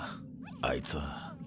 あいつは。